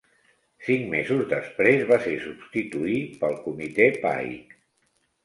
Cinc mesos després va ser substituir pel Comité Pike.